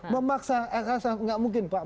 memaksa enggak mungkin pak